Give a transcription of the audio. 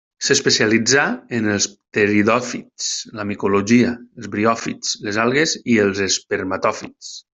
S'especialitzà en els pteridòfits, la micologia, els briòfits, les algues i els espermatòfits.